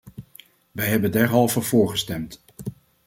Wij hebben derhalve voorgestemd!